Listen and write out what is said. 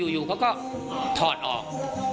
อยู่เขาก็ถอดออก